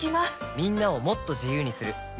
みんなをもっと自由にする「三菱冷蔵庫」